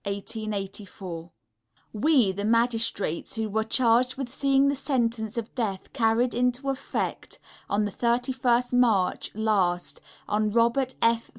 _ We, the Magistrates who were charged with seeing the sentence of death carried into effect, on the 31st March last, on Robert F.